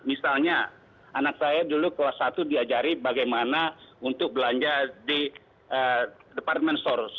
misalnya anak saya dulu kelas satu diajari bagaimana untuk belanja di department store